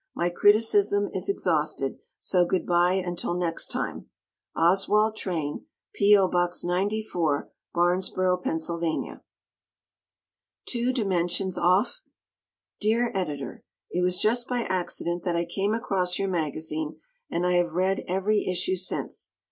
My criticism is exhausted, so good by until next time. Oswald Train, P. O. Box 94, Barnesboro, Pa. Two Dimensions Off? Dear Editor: It was just by accident that I came across your magazine, and I have read every issue since.